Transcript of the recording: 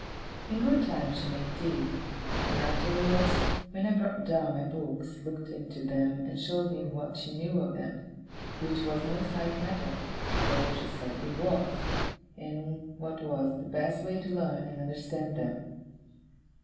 In good time she made tea; and afterwards, when I brought down my books, looked into them, and showed me what she knew of them (which was no slight matter, though she said it was), and what was the best way to learn and understand them.